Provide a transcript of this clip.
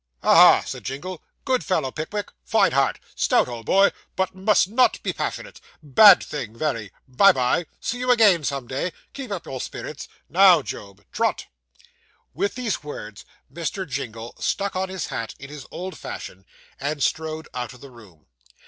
'Ha! ha!' said Jingle, 'good fellow, Pickwick fine heart stout old boy but must _not _be passionate bad thing, very bye, bye see you again some day keep up your spirits now, Job trot!' With these words, Mr. Jingle stuck on his hat in his old fashion, and strode out of the room.